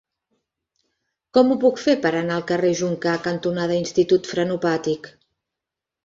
Com ho puc fer per anar al carrer Joncar cantonada Institut Frenopàtic?